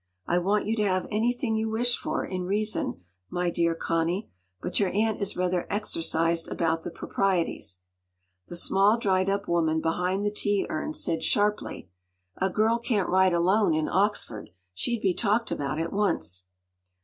“I want you to have anything you wish for—in reason—my dear Connie; but your aunt is rather exercised about the proprieties.” The small dried up woman behind the tea urn said sharply: “A girl can’t ride alone in Oxford—she’d be talked about at once!